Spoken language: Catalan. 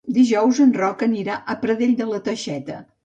Dijous en Roc anirà a Pradell de la Teixeta.